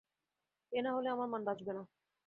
এ না হলে আমার মান বাঁচবে না।